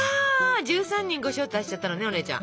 １３人ご招待しちゃったのねお姉ちゃん。